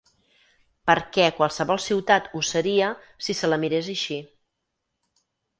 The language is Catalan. Perquè qualsevol ciutat ho seria si se la mirés així.